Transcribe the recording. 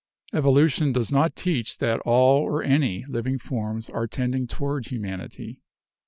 "Evolution does not teach that all or any living forms are tending toward humanity.